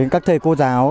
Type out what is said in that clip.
các thầy cô giáo